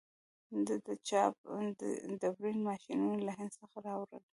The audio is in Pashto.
ده د چاپ ډبرین ماشینونه له هند څخه راوړل.